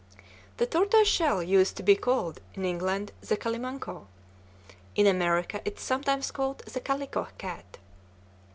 The tortoise shell used to be called, in England, the Calimanco. In America, it is sometimes called the calico cat.